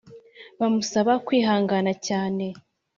bamusaba kwihangana cyane